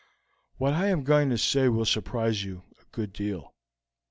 What I am going to say will surprise you a good deal.